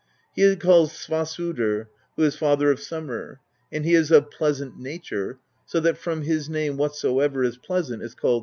He is called Svasudr^ who is father of Summer; and he is of pleasant nature, so that from his name whatsoever is pleasant is called 'sweet.'